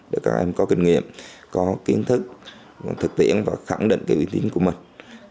để các em có kinh nghiệm có kiến thức thực tiễn và khẳng định cái uy tín của mình